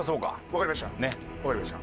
わかりました。